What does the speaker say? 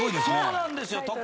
そうなんですよ